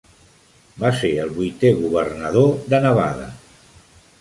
Va ser el vuitè governador de Nevada.